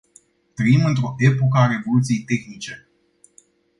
Trăim într-o epocă a revoluției tehnice.